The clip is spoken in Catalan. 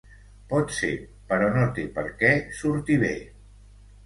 Pot ser, però no té per què sortir bé.